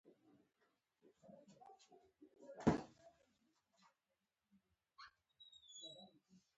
پر هغه ګټه ده چې تېر ځل يې له کرزي څخه ترلاسه کړې وه.